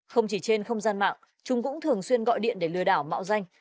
không chỉ trên không gian mạng chúng cũng thường xuyên gọi điện để lừa đảo mạo danh